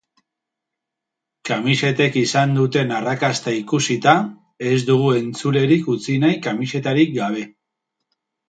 Kamisetek izan duten arrakasta ikusita, ez dugu entzulerik utzi nahi kamisetarik gabe.